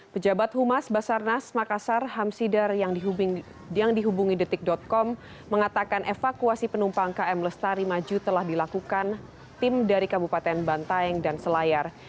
pejabat humas basarnas makassar hamsidar yang dihubungi detik com mengatakan evakuasi penumpang km lestari maju telah dilakukan tim dari kabupaten bantaeng dan selayar